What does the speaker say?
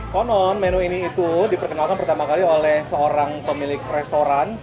konon menu ini itu diperkenalkan pertama kali oleh seorang pemilik restoran